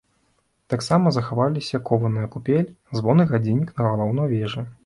Таксама захаваліся кованая купель, звон і гадзіннік на галоўнай вежы.